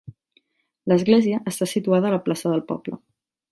L'església està situada a la plaça del poble.